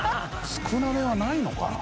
少なめはないのかな？